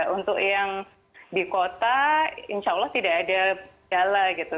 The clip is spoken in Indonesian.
untuk yang di kota insya allah tidak ada gala gitu